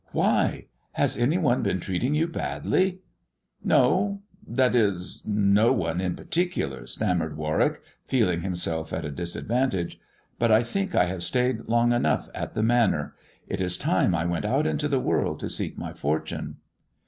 " Why ? Has any one been treating you badly 1 "" No ; that is — no one in particular," stammered Warwick, feeling himself at a disadvantage, "but I think I have stayed long enough at the Manor. It is time I went out into the world to seek my fortune."